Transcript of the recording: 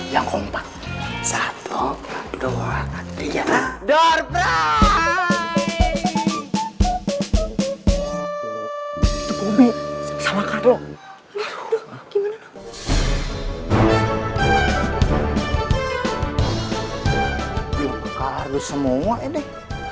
yoke kardus semua ini